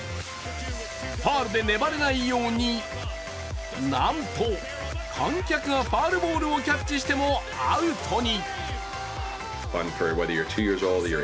ファウルで粘れないようになんと、観客がファウルボールをキャッチしてもアウトに。